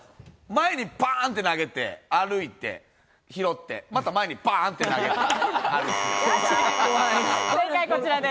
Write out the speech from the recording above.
前にバンって投げて歩いて拾って、また前にバって投げてあるく。